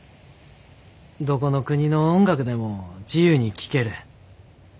どこの国の音楽でも自由に聴ける。